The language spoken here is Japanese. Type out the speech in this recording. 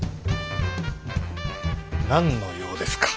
何の用ですか？